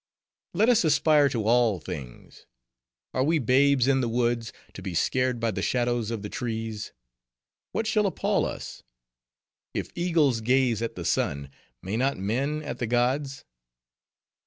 Let us aspire to all things. Are we babes in the woods, to be scared by the shadows of the trees? What shall appall us? If eagles gaze at the sun, may not men at the gods?"